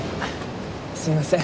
すいません。